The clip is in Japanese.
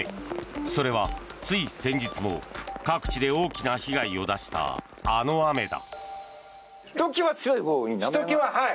それは、つい先日も各地で大きな被害を出したあの雨だ。